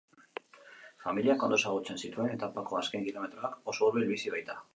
Familiak ondo ezagutzen zituen etapako azken kilometroak, oso hurbil bizi baita.